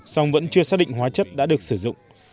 song vẫn chưa xác định hóa chất đã được sử dụng